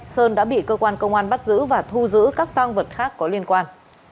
sơn đã bị cơ quan công an bắt giữ và thu giữ các tăng vật khác có liên quan